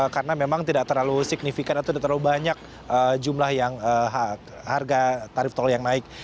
karena memang tidak terlalu signifikan atau tidak terlalu banyak jumlah yang harga tarif tol yang naik